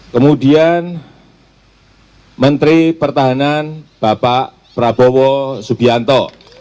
kemudian menteri pertahanan bapak prabowo subianto